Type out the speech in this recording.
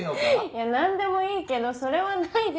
いやなんでもいいけどそれはないでしょって。